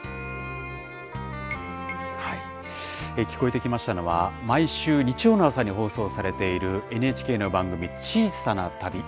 聴こえてきましたのは、毎週日曜の朝に放送されているＮＨＫの番組、小さな旅。